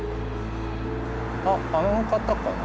あっあの方かな？